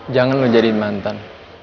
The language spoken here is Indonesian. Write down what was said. jangan lo jadi mantan